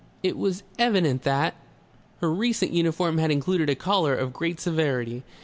It was evident her recent uniform had included a collar of great severity.